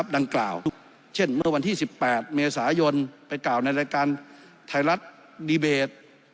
ดังกล่าวเช่นเมื่อวันที่๑๘เมษายนไปกล่าวในรายการไทยรัฐดีเบต